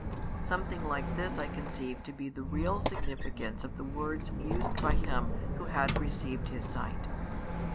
Something like this I conceive to be the real significance of the words used by him who had received his sight.